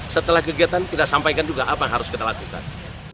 setelah kegiatan kita sampaikan juga apa yang harus kita lakukan